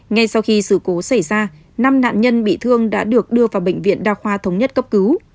ngay sau khi sự cố xảy ra năm nạn nhân bị thương đã được đưa vào bệnh viện đa khoa thống nhất cấp cứu